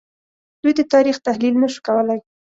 دوی د تاریخ تحلیل نه شو کولای